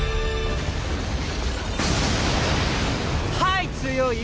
はい強い！